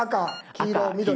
赤黄色緑。